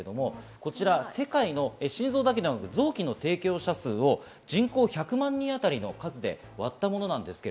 世界の心臓だけではなく、臓器の提供者数を人口１００万人当たりの数で割ったものです。